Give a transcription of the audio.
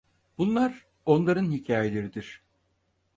Bunlar, onların hikâyeleridir.